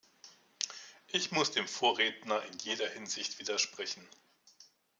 Ich muss dem Vorredner in jeder Hinsicht widersprechen.